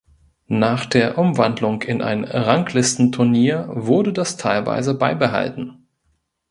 Nach der Umwandlung in ein Ranglistenturnier wurde das teilweise beibehalten.